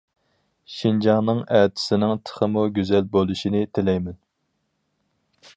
شىنجاڭنىڭ ئەتىسىنىڭ تېخىمۇ گۈزەل بولۇشىنى تىلەيمەن!